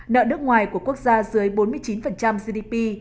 nợ nước ngoài của quốc gia dưới bốn mươi chín gdp